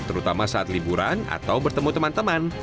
terutama saat liburan atau bertemu teman teman